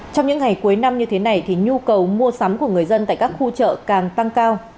trong những ngày cuối năm như thế này thì nhu cầu mua sắm của người dân tại các khu chợ càng tăng cao